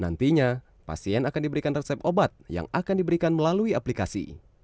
nantinya pasien akan diberikan resep obat yang akan diberikan melalui aplikasi